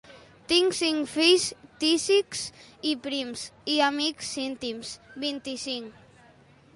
Tinc cinc fills tísics i prims i amics íntims, vint-i-cinc.